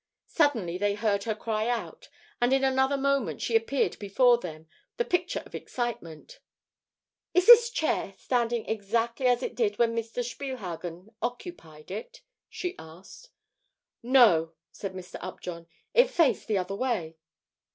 Suddenly they heard her cry out, and in another moment she appeared before them, the picture of excitement. "Is this chair standing exactly as it did when Mr. Spielhagen occupied it?" she asked. "No," said Mr. Upjohn, "it faced the other way."